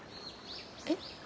えっ？